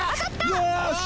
よし！